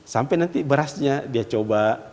sampai nanti berasnya dia coba